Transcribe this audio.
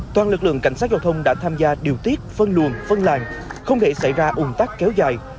toàn lực lượng cảnh sát giao thông đã tham gia điều tiết phân luồng phân làng không hề xảy ra ủn tắc kéo dài